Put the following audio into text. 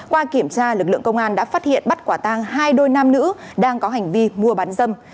qua kiểm tra lực lượng công an đã phát hiện bắt quả tang hai đôi nam nữ đang có hành vi mua bán dâm